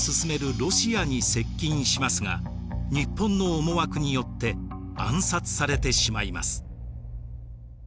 ロシアに接近しますが日本の思惑によって暗殺されてしまいます。